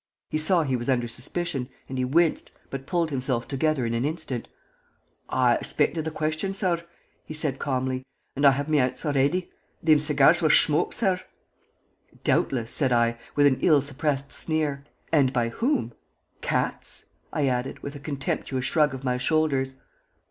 He saw he was under suspicion, and he winced, but pulled himself together in an instant. "I expected the question, sorr," he said, calmly, "and I have me answer ready. Thim segyars was shmoked, sorr." "Doubtless," said I, with an ill suppressed sneer. "And by whom? Cats?" I added, with a contemptuous shrug of my shoulders.